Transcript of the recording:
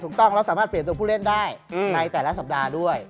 ถูกต้องแล้วสามารถเปลี่ยนตัวผู้เล่นได้ในแต่ละสัปดาห์ด้วย